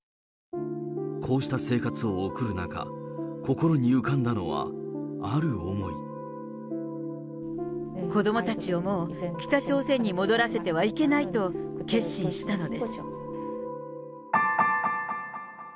こうした生活を送る中、子どもたちをもう、北朝鮮に戻らせてはいけないと決心したのです。